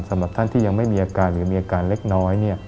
สำหรับท่านที่ยังไม่มีอาการหรือมีอาการเล็กน้อย